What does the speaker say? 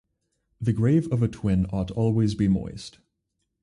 The grave of a twin ought always be moist.